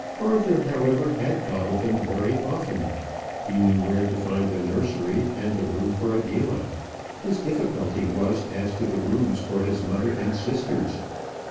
Arthur, however, had thought of them very often. He knew where to find the nursery, and the room for Adela. His difficulty was as to the rooms for his mother and sisters.